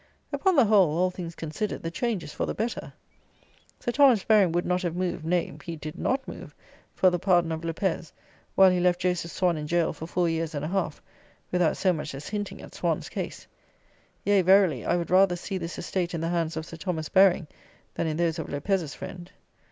Upon the whole, all things considered, the change is for the better. Sir Thomas Baring would not have moved, nay, he did not move, for the pardon of Lopez, while he left Joseph Swann in gaol for four years and a half, without so much as hinting at Swann's case! Yea, verily, I would rather see this estate in the hands of Sir Thomas Baring than in those of Lopez's friend.